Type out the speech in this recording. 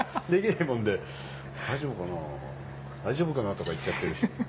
大丈夫かなとか言っちゃってるし。